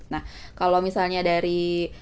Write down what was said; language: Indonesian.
nah kalau misalnya dari